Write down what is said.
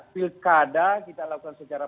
pilkada kita lakukan secara